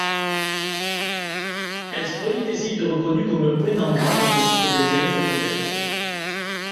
Elles relient des sites reconnus comme points d'ancrage et des sites d'intérêt secondaire.